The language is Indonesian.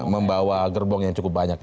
membawa gerbong yang cukup banyak